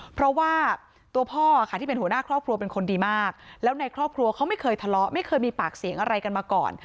เพราะว่าตัวพ่อค่ะที่เป็นหัวหน้าครอบครัวเป็นคนดีมากแล้วในครอบครัวเขาไม่เคยทะเลาะไม่เคยมีปากเสียงอะไรกันมาก่อน